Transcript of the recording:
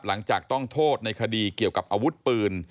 หลังจากต้องโทษในคดีเกี่ยวกับอาวุธปืน